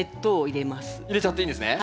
入れちゃっていいんですね？